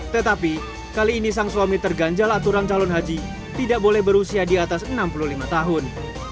tetapi kali ini sang suami terganjal aturan calon haji tidak boleh berusia di atas enam puluh lima tahun